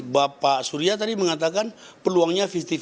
bapak surya tadi mengatakan peluangnya lima puluh lima